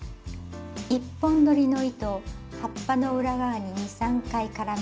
１本どりの糸を葉っぱの裏側に２３回絡めます。